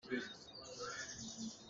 Kan inn ah kal.